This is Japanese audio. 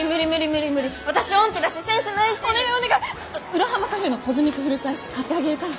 浦浜カフェのコズミックフルーツアイス買ってあげるから。